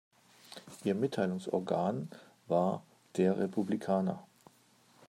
Ihr Mitteilungsorgan war "Der Republikaner".